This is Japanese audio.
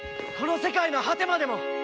この世界の果てまでも！